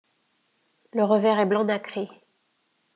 Le revers est blanc nacré.